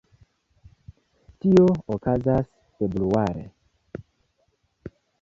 Tio okazas februare.